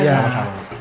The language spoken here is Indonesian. iya apa salah bu